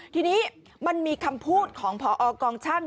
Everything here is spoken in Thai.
ทีนี้มันมีคำพูดของพอกองช่าง